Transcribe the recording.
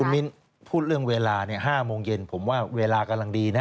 มิ้นพูดเรื่องเวลา๕โมงเย็นผมว่าเวลากำลังดีนะ